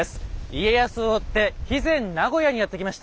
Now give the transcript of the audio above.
家康を追って肥前名護屋にやって来ました。